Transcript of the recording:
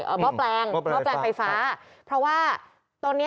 เออเมาะแปลงเมาะแปลงไฟฟ้าพระว่าตอนเนี้ย